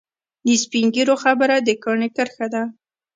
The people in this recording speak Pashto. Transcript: د سپین ږیرو خبره د کاڼي کرښه ده.